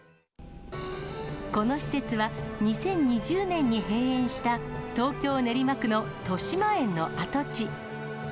この施設は、２０２０年に閉園した、東京・練馬区のとしまえんの跡地。